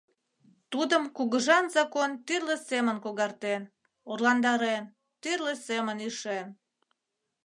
Тудым кугыжан закон тӱрлӧ семын когартен, орландарен, тӱрлӧ семын ишен.